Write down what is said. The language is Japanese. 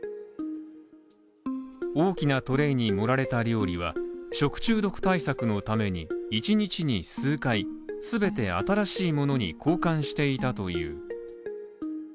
大きなトレイに盛られた料理は、食中毒対策のために１日に数回すべて新しいものに交換していたという。